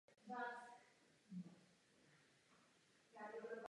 V oblasti náboženství se přísně udržovalo katolictví.